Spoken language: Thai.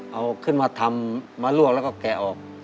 เอาขึ้นมาทำมะลวกแล้วก็แกะออก